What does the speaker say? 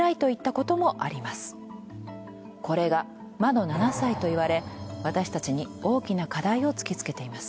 これが魔の７歳と言われ私たちに大きな課題をつきつけています。